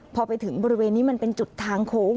พอไปถึงบริเวณนี้มันเป็นจุดทางโค้ง